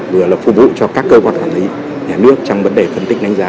vừa là phục vụ cho các cơ quan quản lý nhà nước trong vấn đề phân tích đánh giá